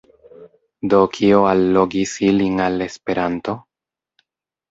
Do kio allogis ilin al Esperanto?